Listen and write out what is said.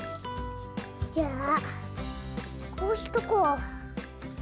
じゃあこうしとこう。